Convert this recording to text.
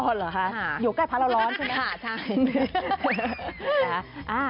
อ๋อเหรอคะอยู่ใกล้พระร้อนใช่ไหมคะ